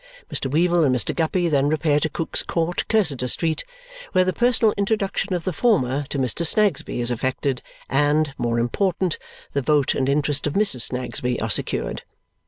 Mr. Weevle and Mr. Guppy then repair to Cook's Court, Cursitor Street, where the personal introduction of the former to Mr. Snagsby is effected and (more important) the vote and interest of Mrs. Snagsby are secured.